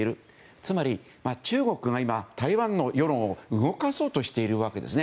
つまり中国が今、台湾の世論を動かそうとしているわけですね。